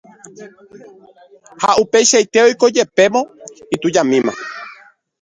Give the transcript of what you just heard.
ha upeichaite oiko jepémo itujamíma